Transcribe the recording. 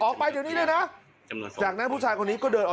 ขวัญเสียหน้าดูน่ะ